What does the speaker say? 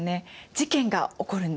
事件が起こるんです。